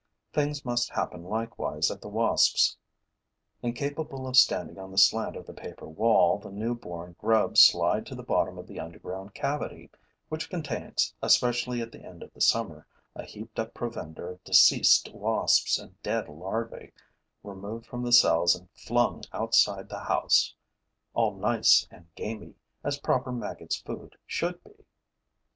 Things must happen likewise at the wasps'. Incapable of standing on the slant of the paper wall, the newborn grubs slide to the bottom of the underground cavity, which contains, especially at the end of the summer, a heaped up provender of deceased wasps and dead larvae removed from the cells and flung outside the house, all nice and gamy, as proper maggot's food should be.